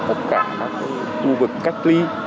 tất cả các cái khu vực cách ly